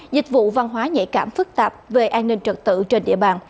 dịch vụ văn hóa nhạy cảm phức tạp về an ninh trật tự trên địa bàn